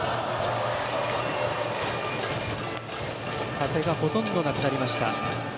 風がほとんどなくなりました。